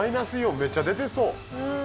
めっちゃ出てそう。